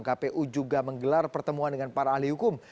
kpu juga menggelar pertemuan dengan para ahli hukum